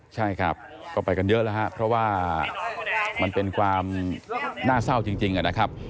ใช่ครับก็ไปกันเยอะแล้วครับเพราะว่ามันเป็นความน่าเศร้าจริงนะครับ